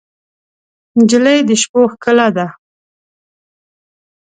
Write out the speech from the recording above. نجلۍ د شپو ښکلا ده.